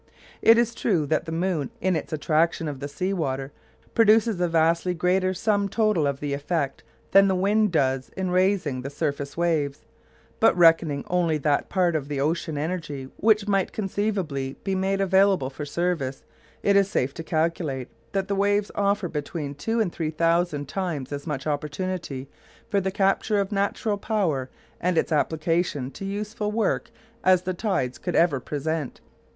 It is true that the moon in its attraction of the sea water produces a vastly greater sum total of effect than the wind does in raising the surface waves, but reckoning only that part of the ocean energy which might conceivably be made available for service it is safe to calculate that the waves offer between two and three thousand times as much opportunity for the capture of natural power and its application to useful work as the tides could ever present.